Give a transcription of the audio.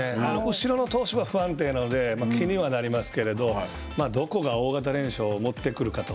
後ろの投手は不安定なので気にはなりますけど、どこが大型連勝を持ってくるかと。